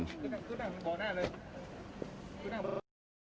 ขึ้นหน้าบอกหน้าเลย